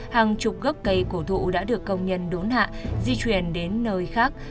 hàng chục gốc cây cổ thụ đã được công nhân đốn hạ di chuyển đến nơi khác